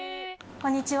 こんにちは。